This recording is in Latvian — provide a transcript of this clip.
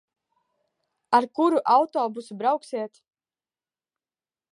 Ar kuru autobusu brauksiet?